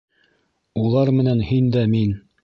Улар менән һин дә мин.